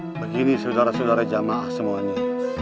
begini saudara saudara jamaah semuanya